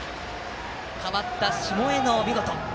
代わった下醉尾、お見事。